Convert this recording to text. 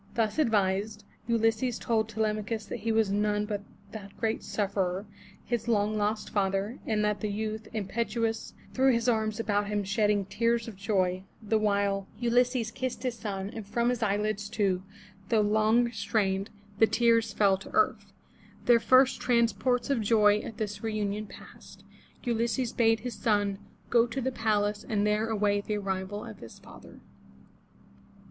Thus advised, Ulysses told Telemachus that he was none but that great sufferer, his long lost father, and the youth, impetuous, threw his arms about him shedding tears of joy, the while Ulysses kissed his son, and from his eyelids, too, though long restrained, 432 FROM THE TOWER WINDOW the tears fell to the earth. Their first transports of joy at this reunion past, Ulysses bade his son go to the palace and there await the arrival of his father.